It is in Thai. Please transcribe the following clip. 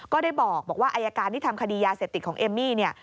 ก็ได้บอกว่าอายการที่ทำคดียาเสพติดของเอมมี่เนี่ย